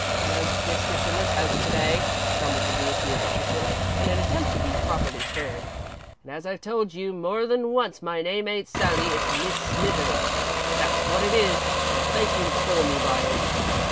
"No biscuits in this house to day," grumbled the deity of the kitchen, in an attempt to be properly stern, "and as I've told you more than once, my name ain't 'Sally.' It's Mis' Smithers, that's wot it is, and I'll thank you to call me by it."